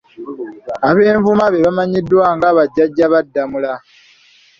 Abenvuma be bamanyiddwa nga bajjajja ba Ddamula.